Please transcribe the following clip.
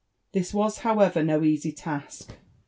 This was, however^ no easy task.